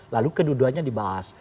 lalu kedua duanya dibahas